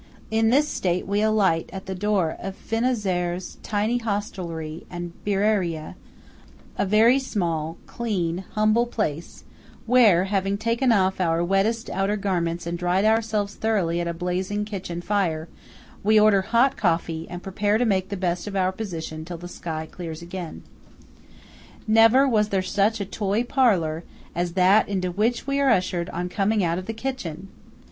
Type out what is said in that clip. In this state we alight at the door of Finazzer's tiny hostelry and "birraria"–a very small, clean, humble place; where, having taken off our wettest outer garments and dried ourselves thoroughly at a blazing kitchen fire, we order hot coffee and prepare to make the best of our position till the sky clears again. Never was there such a toy parlour as that into which we are ushered on coming out of the kitchen!